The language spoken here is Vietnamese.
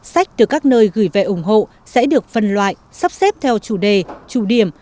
sách từ các nơi gửi về ủng hộ sẽ được phân loại sắp xếp theo chủ đề chủ điểm